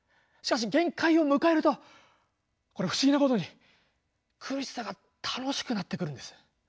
しかし限界を迎えるとこれ不思議なことに苦しさが楽しくなってくるんです。